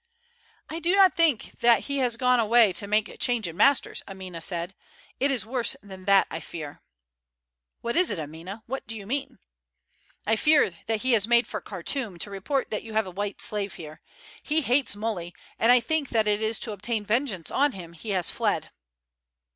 "I do not think he has gone away to make a change in masters," Amina said. "It is worse than that, I fear." "What is it, Amina? What do you mean?" "I fear that he has made for Khartoum to report that you have a white slave here. He hates Muley, and I think that it is to obtain vengeance on him that he has fled."